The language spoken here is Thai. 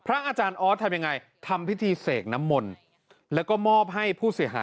พระอาจารย์ออสบอกว่าอาการของคุณแป๋วผู้เสียหายคนนี้อาจจะเกิดจากหลายสิ่งประกอบกัน